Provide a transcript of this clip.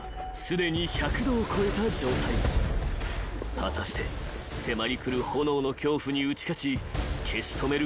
［果たして迫り来る炎の恐怖に打ち勝ち消し止める